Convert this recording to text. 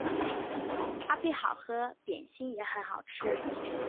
咖啡好喝，点心也很好吃